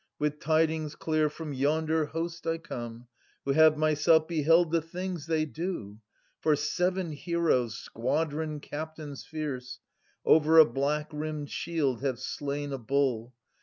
With tidings clear from yonder host I come, 40 Who have myself beheld the things they do. For seven heroes, squadron captains fierce. Over a black rin^med shield have slain a bull.